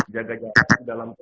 jaga jarak dalam